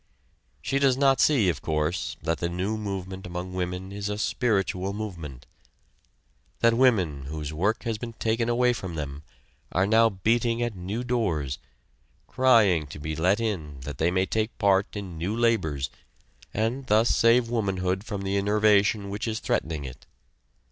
She does not see, of course, that the new movement among women is a spiritual movement that women, whose work has been taken away from them, are now beating at new doors, crying to be let in that they may take part in new labors, and thus save womanhood from the enervation which is threatening it.